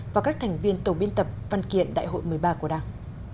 và các thành viên tổ biên tập văn kiện đại hội một mươi ba của đảng